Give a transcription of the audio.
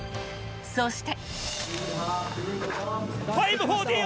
そして。